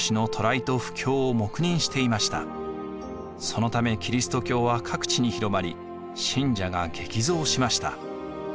そのためキリスト教は各地に広まり信者が激増しました。